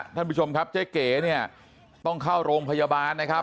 ท่านผู้ชมครับเจ๊เก๋เนี่ยต้องเข้าโรงพยาบาลนะครับ